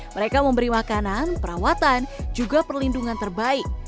mereka memberi makanan perawatan juga perlindungan terbaik